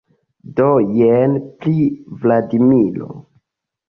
Do jen, pri Vladimiro.